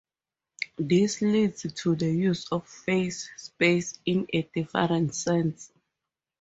This leads to the use of phase space in a different sense.